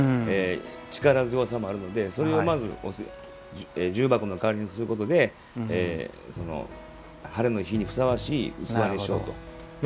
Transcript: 力強さもあるので、それをまず重箱の代わりにすることでハレの日にふさわしい器にしようと。